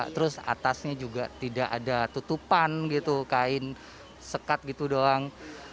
terus atasnya juga tidak ada tutupan gitu kain sekat gitu doang